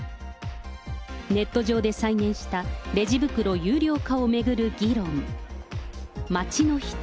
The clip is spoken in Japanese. ネット上で再燃したレジ袋有料化を巡る議論。